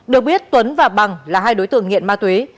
được biết tuấn và bằng là hai đối tượng nghiện ma túy